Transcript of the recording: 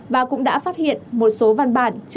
và cũng đã phát hiện một số văn bản chưa phát hiện